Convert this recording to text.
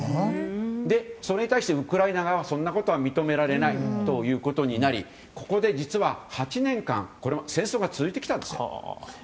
で、それに対してウクライナ側はそんなことは認められないということになりここで実は、８年間戦争が続いてきたんです。